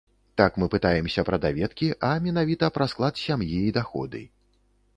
Так мы пытаемся пра даведкі, а менавіта пра склад сям'і і даходы.